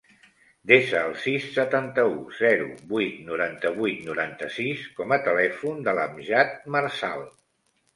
Desa el sis, setanta-u, zero, vuit, noranta-vuit, noranta-sis com a telèfon de l'Amjad Marzal.